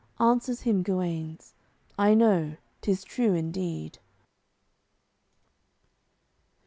Answers him Guenes: "I know; 'tis true in deed."